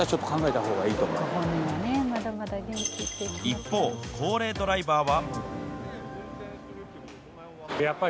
一方、高齢ドライバーは。